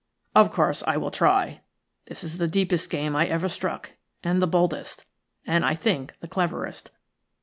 Of course, I will try. This is the deepest game I ever struck, and the boldest, and I think the cleverest.